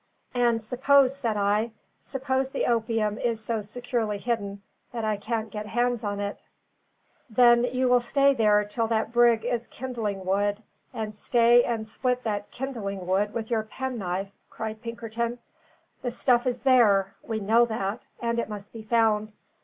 "And suppose," said I, "suppose the opium is so securely hidden that I can't get hands on it?" "Then you will stay there till that brig is kindling wood, and stay and split that kindling wood with your penknife," cried Pinkerton. "The stuff is there; we know that; and it must be found.